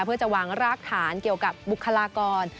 เพื่อจะวางรากฐานเกี่ยวกับบุคลากร